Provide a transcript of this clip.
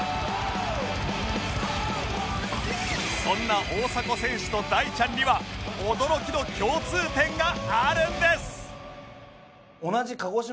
そんな大迫選手と大ちゃんには驚きの共通点があるんです